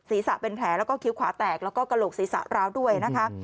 ศีรษะเป็นแผลแล้วก็คิ้วขวาแตกแล้วก็กระโหลกศีรษะร้าวด้วยนะคะ